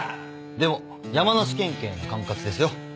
でも山梨県警の管轄ですよ。